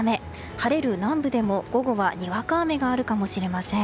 晴れる南部でも午後はにわか雨があるかもしれません。